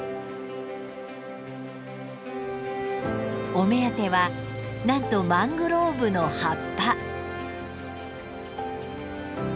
お目当てはなんとマングローブの葉っぱ。